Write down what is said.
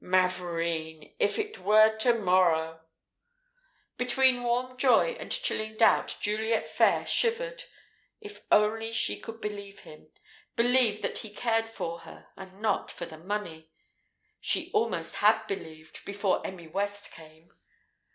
Mavourneen if it were to morrow!" Between warm joy and chilling doubt Juliet Phayre shivered. If only she could believe him believe that he cared for her, and not for the money! She almost had believed before Emmy West came.